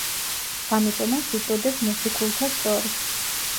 ამიტომაც უწოდეს მოციქულთასწორი.